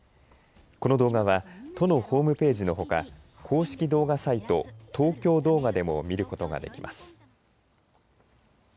この動画は都のホームページのほか公式動画サイト東京動画でも見ることができます。